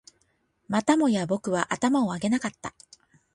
またもや僕は頭を上げなかった